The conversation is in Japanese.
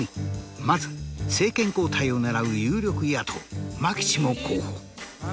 まず政権交代を狙う有力野党マキシモ候補。